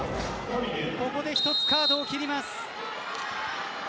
ここで１つカードを切ります。